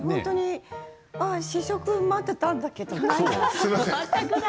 試食を待っていたんだけど。